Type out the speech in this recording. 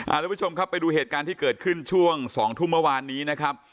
ทุกผู้ชมครับไปดูเหตุการณ์ที่เกิดขึ้นช่วงสองทุ่มเมื่อวานนี้นะครับ